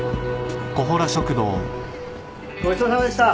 ごちそうさまでした。